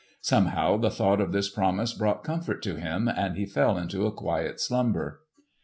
Somehow the thought of this promise brought comfort to him, and he fell into a quiet slumber.